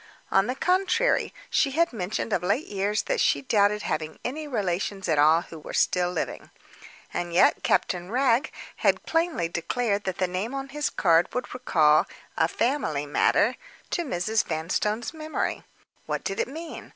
On the contrary she had mentioned of late years that she doubted having any relations at all who were still living. And yet Captain Wragge had plainly declared that the name on his card would recall "a family matter" to Mrs. Vanstone's memory. What did it mean?